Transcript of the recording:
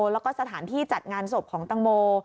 แล้วก็สถานที่จัดงานศพของตังโม